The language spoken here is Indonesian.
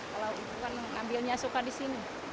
kalau itu kan ngambilnya suka disini